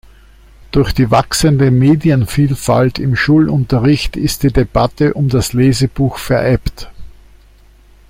Durch die wachsende Medienvielfalt im Schulunterricht ist die Debatte um das Lesebuch verebbt.